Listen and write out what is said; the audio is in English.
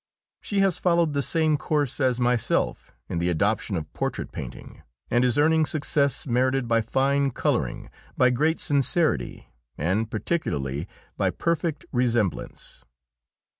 She has followed the same course as myself in the adoption of portrait painting, and is earning success merited by fine colouring, by great sincerity, and, particularly, by perfect resemblance.